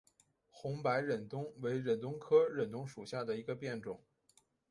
红白忍冬为忍冬科忍冬属下的一个变种。